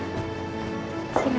kalo papa udah sampe rumah